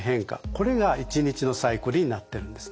これが一日のサイクルになってるんですね。